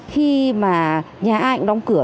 khi mà nhà anh đóng cửa